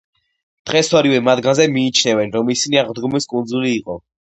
დღეს ორივე მათგანზე მიიჩნევენ, რომ ისინი აღდგომის კუნძული იყო.